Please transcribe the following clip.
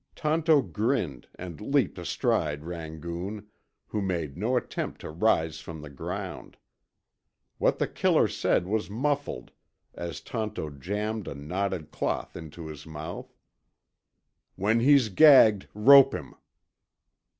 Tonto grinned and leaped astride Rangoon, who made no attempt to rise from the ground. What the killer said was muffled as Tonto jammed a knotted cloth into his mouth. "When he's gagged, rope him."